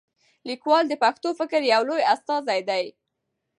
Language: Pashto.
لیکوال د پښتو فکر یو لوی استازی دی.